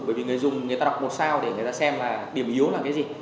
bởi vì người dùng người ta đọc một sao để người ta xem là điểm yếu là cái gì